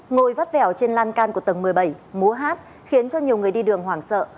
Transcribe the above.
ngồi vắt vẻo trên lan can của tầng một mươi bảy múa hát khiến cho nhiều người đi đường hoảng sợ